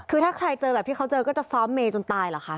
คือถ้าใครเจอแบบที่เขาเจอก็จะซ้อมเมย์จนตายเหรอคะ